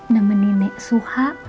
nemenin nek suha